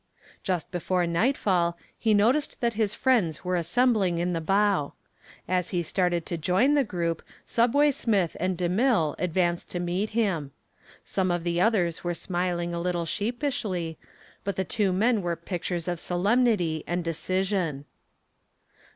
Just before nightfall he noticed that his friends were assembling in the bow. As he started to join the group "Subway" Smith and DeMille advanced to meet him. Some of the others were smiling a little sheepishly, but the two men were pictures of solemnity and decision.